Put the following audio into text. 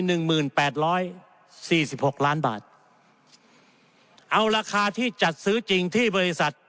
หนึ่งหมื่นแปดร้อยสี่สิบหกล้านบาทเอาราคาที่จัดซื้อจริงที่บริษัท